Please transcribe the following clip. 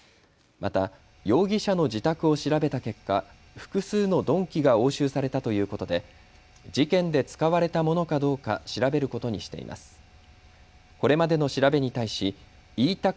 また容疑者の自宅を調べた結果、複数の鈍器が押収されたということで事件で使われたものかどうか調べることにしています。